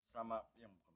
sama yang gemuk